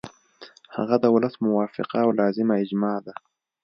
هغه د ولس موافقه او لازمه اجماع ده.